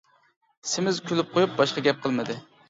سېمىز كۈلۈپ قويۇپ باشقا گەپ قىلمىدى.